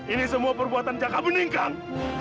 ini semua perbuatan jaga bening kang